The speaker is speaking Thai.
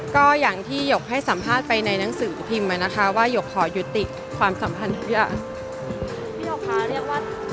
ก็อย่างที่หยกให้สัมภาษณ์ไปในหนังสือพิมพ์มานะคะว่าหยกขอยุติความสัมพันธ์